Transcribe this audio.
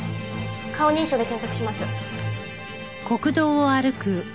顔認証で検索します。